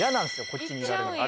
こっちにいられるの。